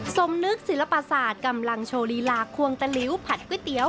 สมนึกศิลปศาสตร์กำลังโชว์ลีลาควงตะลิ้วผัดก๋วยเตี๋ยว